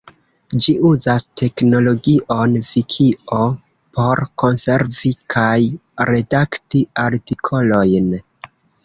Ĝi uzas teknologion vikio por konservi kaj redakti artikolojn.